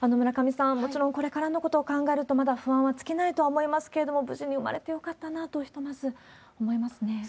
村上さん、もちろんこれからのことを考えると、まだ不安は尽きないと思いますけれども、無事に産まれてよかったなと、ひとまず思いますね。